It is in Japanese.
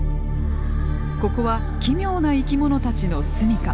ここは奇妙な生き物たちの住みか。